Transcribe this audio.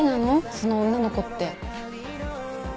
その女の子って。